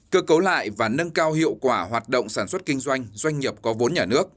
cơ cấu lại và nâng cao hiệu quả hoạt động sản xuất kinh doanh doanh nghiệp có vốn nhà nước